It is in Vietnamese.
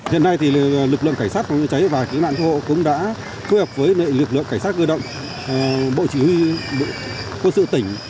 hiện nay thì lực lượng cảnh sát phòng cháy và cứu nạn cứu hộ cũng đã phối hợp với lực lượng cảnh sát cơ động bộ chỉ huy quân sự tỉnh